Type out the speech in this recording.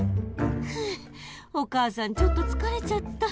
ふうお母さんちょっとつかれちゃった。